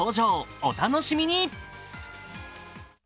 お楽しみに。